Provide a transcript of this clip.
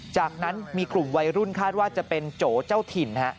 จากนั้นมีกลุ่มวัยรุ่นคาดว่าจะเป็นโจเจ้าถิ่น